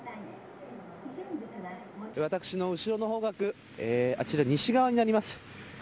私の後ろの方角あちら、西側になります